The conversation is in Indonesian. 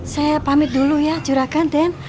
saya pamit dulu ya juragan ten